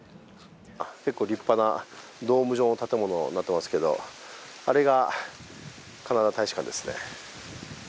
結構立派なドーム状の建物になっていますけど、あれがカナダ大使館ですね。